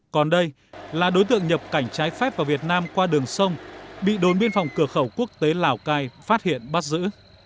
còn đây là đối tượng nhập cảnh trái phép vào việt nam qua đường sông bị đồn biên phòng cửa khẩu quốc tế lào cai phát hiện bắt giữ